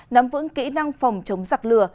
nắm vững kỹ năng phòng chống giặc lừa